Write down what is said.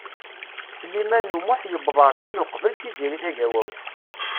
Sliman U Muḥ yewweḍ ar din uqbel Tiziri Tagawawt.